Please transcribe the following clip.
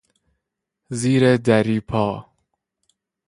زیر دری پا